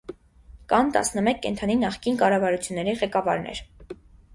Կան տասնմեկ կենդանի նախկին կառավարությունների ղեկավարներ։